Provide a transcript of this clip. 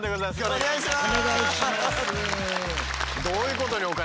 お願いします。